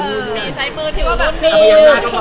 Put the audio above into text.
สีใส่มือถือวุ่นดี